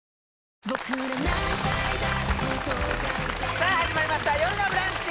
さあ始まりました「よるのブランチ」